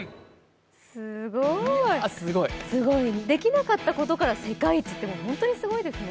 すごーい、できなかったことから世界一って本当にすごいですね。